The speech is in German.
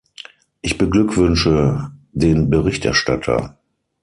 Ich beglückwünsche den Berichterstatter!